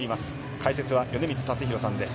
解説は米満達弘さんです。